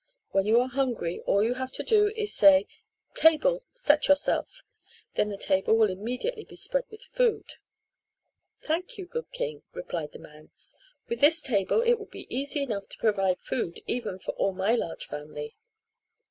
When you are hungry all you have to do is to say, 'Table, set yourself.' Then the table will immediately be spread with food." "Thank you, good king," replied the man. "With this table it will be easy enough to provide food even for all my large family."